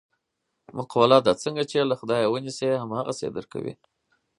مقوله ده: څنګه یې چې له خدایه و نیسې هم هغسې یې در کوي.